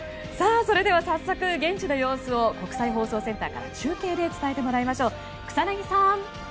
それでは早速現地の様子を国際放送センターから中継で伝えてもらいましょう。